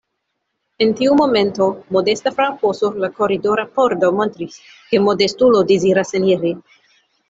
En tiu momento modesta frapo sur la koridora pordo montris, ke modestulo deziras eniri.